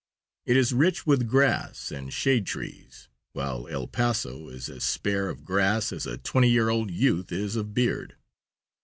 It is rich with grass and shade trees, while El Paso is as spare of grass as a twenty year old youth is of beard.